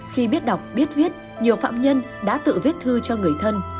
khi biết đọc biết viết nhiều phạm nhân đã tự viết thư cho các anh